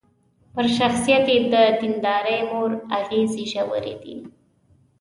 پر شخصيت يې د ديندارې مور اغېزې ژورې دي.